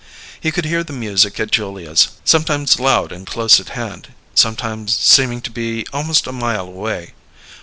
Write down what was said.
He could hear the music at Julia's, sometimes loud and close at hand, sometimes seeming to be almost a mile away.